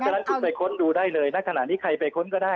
ก็ล้างจุดไปค้นดูได้เลยนะขณะนี้ใครไปค้นก็ได้